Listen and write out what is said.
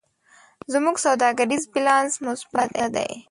زموږ سوداګریز بیلانس مثبت نه دی.